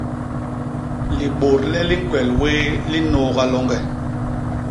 Libôdle li ñkwel wéé li nnôôga loñge.